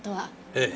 ええ。